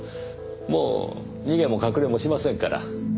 もう逃げも隠れもしませんから。